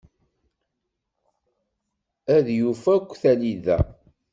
Ad yuf akk talida.